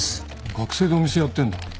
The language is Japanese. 学生でお店やってんだ。